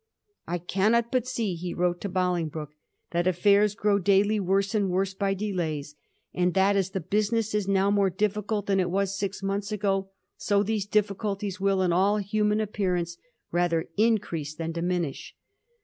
' I cannot but see,' he wrote to Bolingbroke, ' that affairs grow daily worse and worse by delays, and that, as the business is now more difficult than it was six months ago, so these difficulties will, in all human appearance, rather increase than diminish.